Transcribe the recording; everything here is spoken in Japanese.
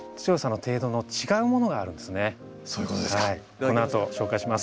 このあと紹介します。